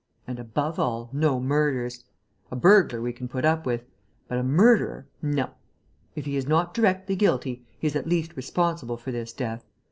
And, above all, no murders! A burglar we can put up with; but a murderer, no! If he is not directly guilty, he is at least responsible for this death.